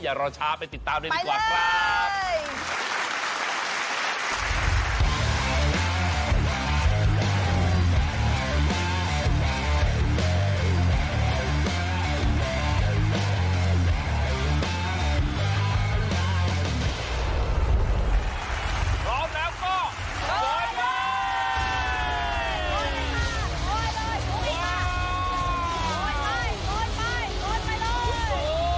อย่ารอช้าไปติดตามได้ดีกว่าครับ